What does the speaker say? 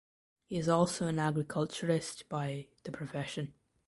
He is also an Agriculturist by the profession.